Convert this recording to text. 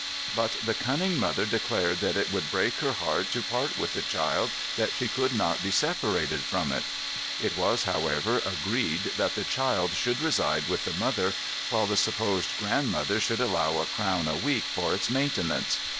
But the cunning mother declared that it would break her heart to part with the child that she could not be separated from it. It was, however, agreed that the child should reside with the mother, while the supposed grandmother should allow a crown a week for its maintenance.